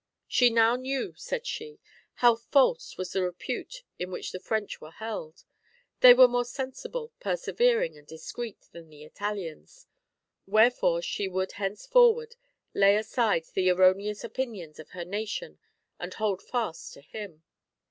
She now knew, said she, how false was the repute in which the French were held ; they were more sensible, persevering, and discreet than the Italians ; wherefore she would hence forward lay aside the erroneous opinions of her nation and hold fast to him.